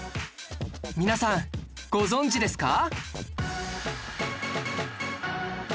皆さんご存じですか？